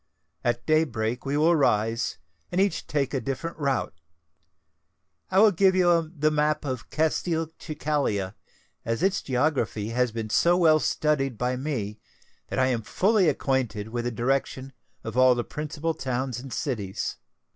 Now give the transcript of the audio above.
At day break we will rise, and each take a different route. I will give you the map of Castelcicala, as its geography has been so well studied by me that I am fully acquainted with the direction of all the principal towns and cities.